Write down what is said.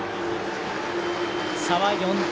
差は４点。